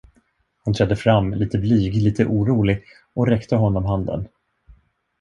Hon trädde fram, litet blyg, litet orolig, och räckte honom handen.